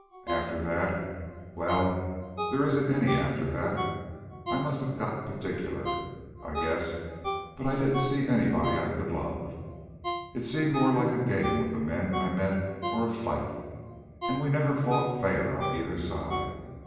"And after that... well, there isn't any after that. I must have got particular, I guess, but I didn't see anybody I could love. It seemed more like a game with the men I met, or a fight. And we never fought fair on either side.